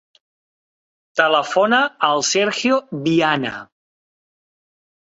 Telefona al Sergio Viana.